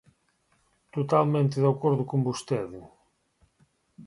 Totalmente de acordo con vostede.